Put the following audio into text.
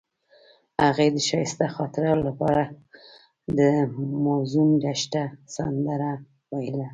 هغې د ښایسته خاطرو لپاره د موزون دښته سندره ویله.